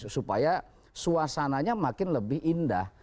supaya suasananya makin lebih indah